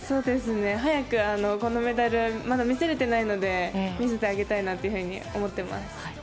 このメダルを見せれてないので見せてあげたいなというふうに思っています。